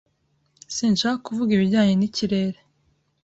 Sinshaka kuvuga ibijyanye n'ikirere.